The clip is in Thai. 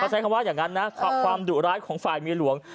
ใช้คำว่าอย่างนั้นนะความดุร้ายของฝ่ายเมียหลวง